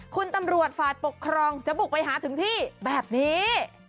คุณตำรวจฝ่ายปกครองจะบุกไปหาถึงที่แบบนี้